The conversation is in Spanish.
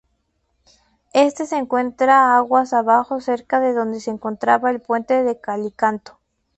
Este se encuentra aguas abajo cerca de donde se encontraba el puente de Calicanto.